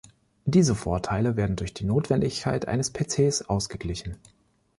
Diese Vorteile werden durch die Notwendigkeit eines PCs ausgeglichen.